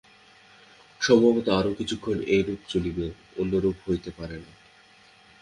সম্ভবত আরও কিছুকাল এইরূপ চলিবে, অন্যরূপ হইতে পারে না।